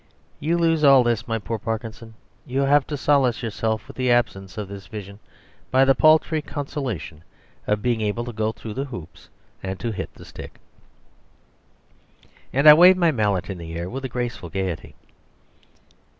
You lose all this, my poor Parkinson. You have to solace yourself for the absence of this vision by the paltry consolation of being able to go through hoops and to hit the stick." And I waved my mallet in the air with a graceful gaiety.